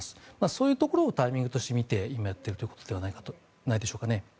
そういうところをタイミングとして見て今やっているのではないでしょうか。